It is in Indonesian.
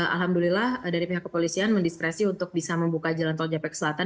alhamdulillah dari pihak kepolisian mendiskresi untuk bisa membuka jalan tol japek selatan